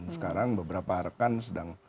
sekarang beberapa rekan sedang